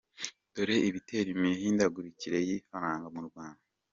Dore ibitera imihindagurikire y’ifaranga mu Rwanda